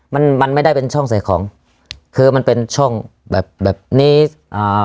มันมันไม่ได้เป็นช่องใส่ของคือมันเป็นช่องแบบแบบนี้อ่า